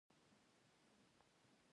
یوازې رڼو ستورو سره جلا کول.